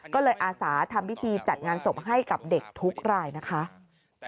ก็เลยอาสาทำพิธีจัดงานศพให้กับเด็กทุกรายนะคะ